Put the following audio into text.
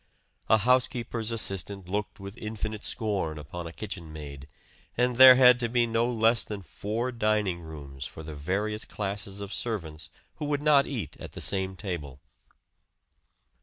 A housekeeper's assistant looked with infinite scorn upon a kitchen maid, and there had to be no less than four dining rooms for the various classes of servants who would not eat at the same table.